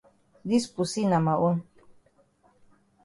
Dis pussy na ma own.